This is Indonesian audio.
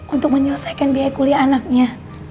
untuk menyelesaikan biaya kuliah anaknya